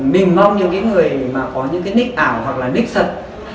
mình mong những cái người mà có những cái nick ảo hoặc là nick thật